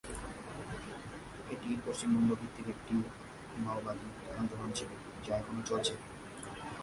এটি পশ্চিমবঙ্গ ভিত্তিক একটি মাওবাদী আন্দোলন ছিল, যা এখনও চলছে।